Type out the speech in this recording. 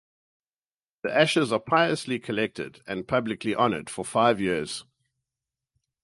The ashes are piously collected and publicly honored for five years.